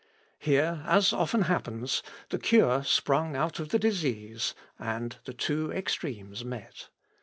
Here, as often happens, the cure sprung out of the disease, and the two extremes met.